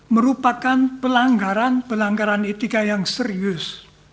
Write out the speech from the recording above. merupakan pelanggaran pelanggaran etika yang serius